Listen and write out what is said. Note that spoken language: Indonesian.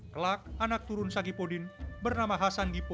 kelak anak turun sagipodin bernama hasan dipo